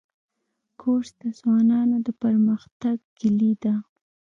کورس د ځوانانو د پرمختګ کلۍ ده.